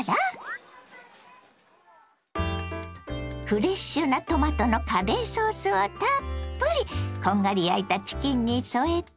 フレッシュなトマトのカレーソースをたっぷりこんがり焼いたチキンに添えて。